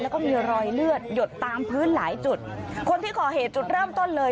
แล้วก็มีรอยเลือดหยดตามพื้นหลายจุดคนที่ก่อเหตุจุดเริ่มต้นเลย